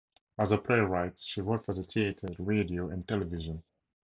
As a playwright, she wrote for the theater, radio, and television.